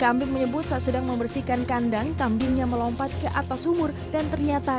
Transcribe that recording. kambing menyebut saat sedang membersihkan kandang kambingnya melompat ke atas sumur dan ternyata